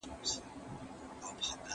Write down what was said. ورزش د انسان عضلات پیاوړي کوي.